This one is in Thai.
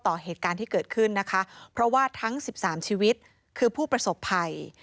ต่อเหตุการณ์ที่เกิดขึ้นนะคะเพราะว่าทั้ง๑๓ชีวิตคือผู้ประสบภัย